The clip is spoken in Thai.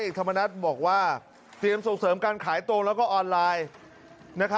ธรรมนัฐบอกว่าเตรียมส่งเสริมการขายตรงแล้วก็ออนไลน์